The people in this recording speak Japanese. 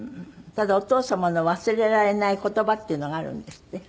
ただお父様の忘れられない言葉っていうのがあるんですって？